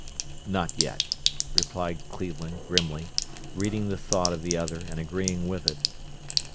"Not yet," replied Cleveland, grimly, reading the thought of the other and agreeing with it.